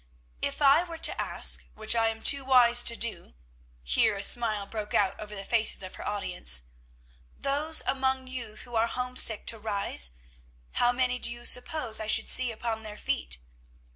"If I were to ask, which I am too wise to do," here a smile broke out over the faces of her audience "those among you who are homesick to rise, how many do you suppose I should see upon their feet?"